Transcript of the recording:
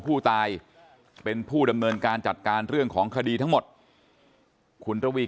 ผู้ตายเป็นผู้ดำเนินการจัดการเรื่องของคดีทั้งหมดคุณระวี